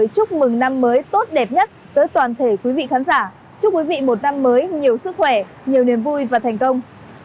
chúc quý vị một năm mới nhiều sức khỏe nhiều niềm vui và thành công